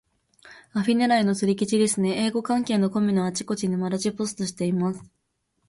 アフィ狙いの釣り記事ですね。英語関係のコミュのあちこちにマルチポストしています。